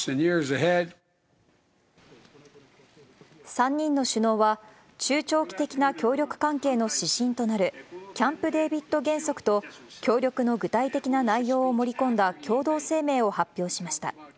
３人の首脳は、中長期的な協力関係の指針となるキャンプ・デービッド原則と、協力の具体的な内容を盛り込んだ共同声明を発表しました。